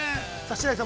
◆白石さん